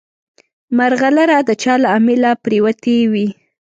مرغلره د چا له امیله پرېوتې وي.